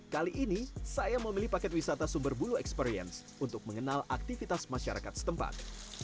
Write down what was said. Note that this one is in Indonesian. kali ini saya memilih paket wisata sumber bulu experience untuk mengenal aktivitas masyarakat setempat